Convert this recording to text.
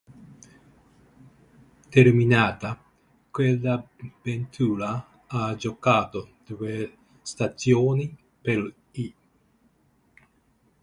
Terminata quell'avventura, ha giocato due stagioni per l'.